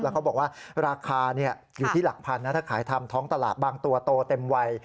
เขาบอกว่าราคาอยู่ที่หลักพันนะถ้าขายทำท้องตลาดบางตัวโตเต็มวัย